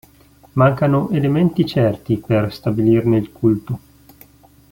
Mancano elementi certi per stabilirne il culto.